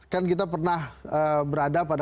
kan kita pernah berada pada